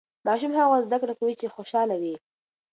ماشوم هغه وخت زده کړه کوي چې خوشاله وي.